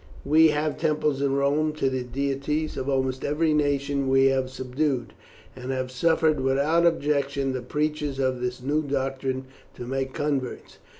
We have temples in Rome to the deities of almost every nation we have subdued, and have suffered without objection the preachers of this new doctrine to make converts.